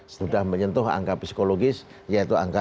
sudah menyentuh angka psikologis yaitu angka dua ribu lima puluh